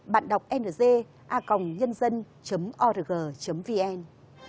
bạn đọc ng a ng org vn